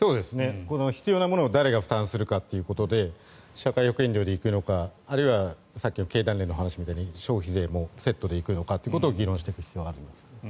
必要なものを誰が負担するかということで社会保険料で行くのかあるいはさっきの経団連の話みたいに消費税もセットで行くのかということを議論していく必要があると思います。